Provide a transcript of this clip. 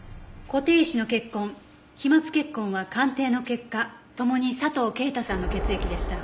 固定石の血痕飛沫血痕は鑑定の結果共に佐藤啓太さんの血液でした。